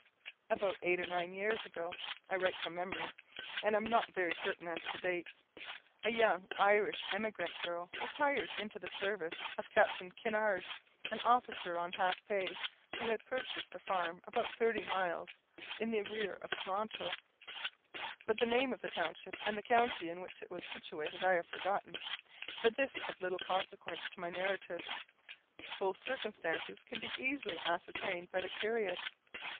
About eight or nine years ago I write from memory, and am not very certain as to dates a young Irish emigrant girl was hired into the service of Captain Kinnaird, an officer on half pay, who had purchased a farm about thirty miles in the rear of Toronto; but the name of the township, and the county in which it was situated, I have forgotten; but this is of little consequence to my narrative. Both circumstances could be easily ascertained by the curious.